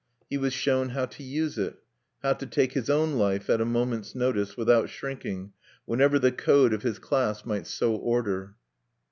He was shown how to use it, how to take his own life at a moment's notice, without shrinking, whenever the code of his class might so order(1).